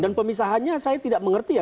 dan pemisahannya saya tidak mengerti ya